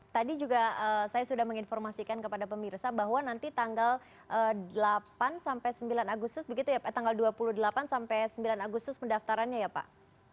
tadi juga saya sudah menginformasikan kepada pemirsa bahwa nanti tanggal dua puluh delapan sembilan agustus mendaftarannya ya pak